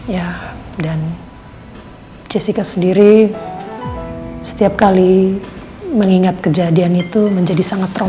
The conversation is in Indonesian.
ya dan jessica sendiri setiap kali mengingat kejadian itu menjadi sangat trauma